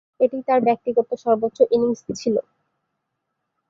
এটিই তার ব্যক্তিগত সর্বোচ্চ ইনিংস ছিল।